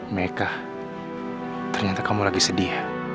meika ternyata kamu sedih